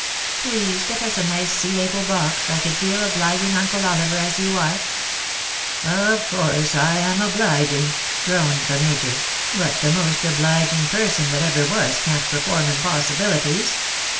Please get us a nice see able box, like a dear obliging Uncle Oliver, as you arc" " Of course I am obliging/' groaned the Major, 204 CUPID AND PSYCHE. '^ but the most obliging person that ever was can't perform impossibilities.